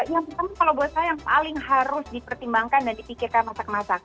yang pertama kalau buat saya yang paling harus dipertimbangkan dan dipikirkan masak masak